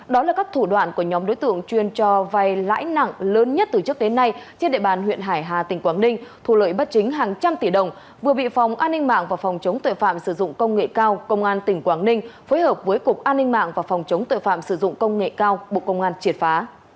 đó là các thủ đoạn của nhóm đối tượng chuyên cho vay lãi nặng lớn nhất từ trước đến nay trên địa bàn huyện hải hà tỉnh quảng ninh thu lợi bất chính hàng trăm tỷ đồng vừa bị phòng an ninh mạng và phòng chống tội phạm sử dụng công nghệ cao công an tỉnh quảng ninh phối hợp với cục an ninh mạng và phòng chống tội phạm sử dụng công nghệ cao bộ công an triệt phá